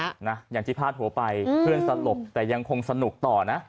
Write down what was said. นะอย่างที่พาดหัวไปเพื่อนสลบแต่ยังคงสนุกต่อนะ